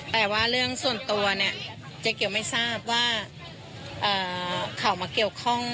แต่ว่าเรื่องส่วนตัวเนี่ยเจ๊เกียวไม่ทราบว่าเขามาเกี่ยวข้อง